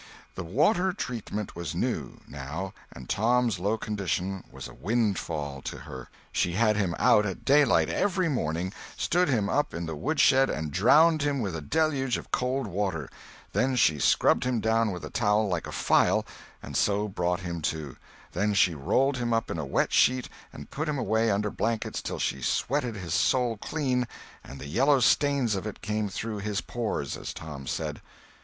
The water treatment was new, now, and Tom's low condition was a windfall to her. She had him out at daylight every morning, stood him up in the wood shed and drowned him with a deluge of cold water; then she scrubbed him down with a towel like a file, and so brought him to; then she rolled him up in a wet sheet and put him away under blankets till she sweated his soul clean and "the yellow stains of it came through his pores"—as Tom said.